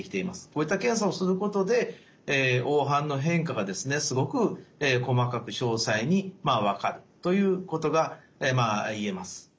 こういった検査をすることで黄斑の変化がですねすごく細かく詳細に分かるということが言えます。